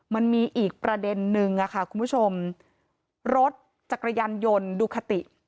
มันมีอีกประเด็นนึงอะค่ะคุณผู้ชมรถจักรยานยนต์ดูคาติ